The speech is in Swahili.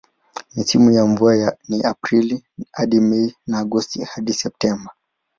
Misimu za mvua ni Aprili hadi Mei na Agosti hadi Septemba.